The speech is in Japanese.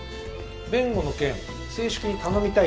弁護の件正式に頼みたいって。